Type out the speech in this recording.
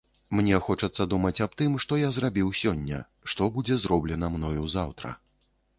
Мне хочацца думаць аб тым, што я зрабіў сёння, што будзе зроблена мною заўтра.